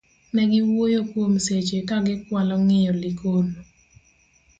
negi wuoyo kuom seche ka gikwalo ng'iyo Likono